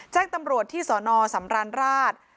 แจ้งตำรวจที่สนสำราญราช